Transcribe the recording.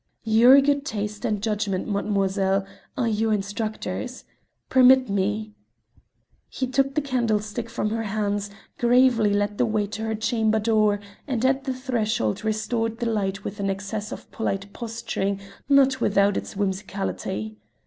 "Your good taste and judgment, mademoiselle, are your instructors. Permit me." He took the candlestick from her hands, gravely led the way to her chamber door, and at the threshold restored the light with an excess of polite posturing not without its whimsicality.